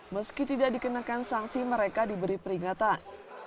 meski tidak dikenakan sanksi mereka diberi peringatan